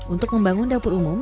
untuk membangun dapur umum